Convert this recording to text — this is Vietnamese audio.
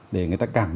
để người ta cảm nhận